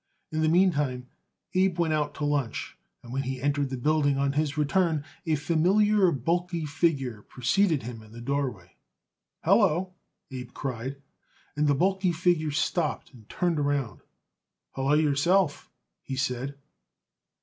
In the meantime Abe went out to lunch, and when he entered the building on his return a familiar, bulky figure preceded him into the doorway. "Hallo!" Abe cried, and the bulky figure stopped and turned around. "Hallo yourself!" he said.